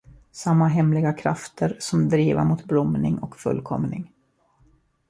Samma hemliga krafter som driva mot blomning och fullkomning.